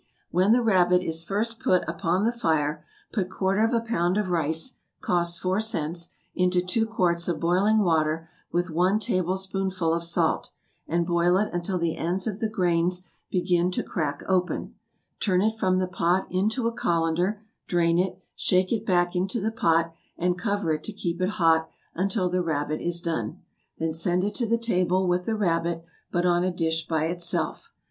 When the rabbit is first put upon the fire, put quarter of a pound of rice, (cost four cents,) into two quarts of boiling water with one tablespoonful of salt, and boil it until the ends of the grains begin to crack open; turn it from the pot into a colander, drain it, shake it back into the pot, and cover it to keep it hot until the rabbit is done; then send it to the table with the rabbit, but on a dish by itself.